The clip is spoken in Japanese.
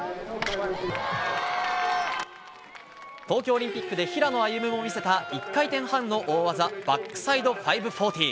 東京オリンピックで平野歩夢も見せた、１回転半の大技、バックサイド５４０。